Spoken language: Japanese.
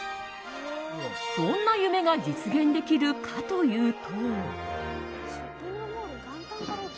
どんな夢が実現できるかというと。